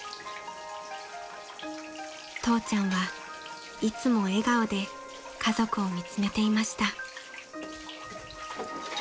［父ちゃんはいつも笑顔で家族を見詰めていました］